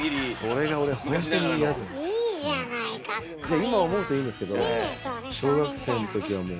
今思うといいんですけど小学生のときはもう。